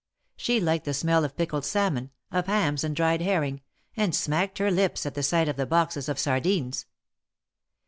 She liked the smell of pickled salmon, of hams and dried herring, and smacked her lips at the sight of the boxes of sardines.